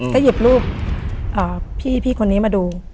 ก็หยิบรูปพี่คนนี้มาดู